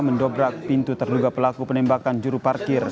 mendobrak pintu terduga pelaku penembakan juru parkir